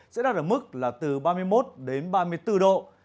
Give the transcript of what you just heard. sẽ đạt ở mức là từ ba mươi một đến ba mươi bốn độ